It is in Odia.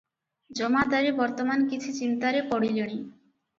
ଜମାଦାରେ ବର୍ତ୍ତମାନ କିଛି ଚିନ୍ତାରେ ପଡ଼ିଲେଣି ।